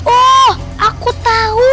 oh aku tahu